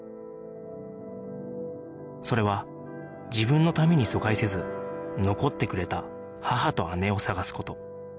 それは自分のために疎開せず残ってくれた母と姉を捜す事